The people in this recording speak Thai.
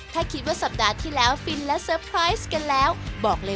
จะเชื่อวอกสาวละ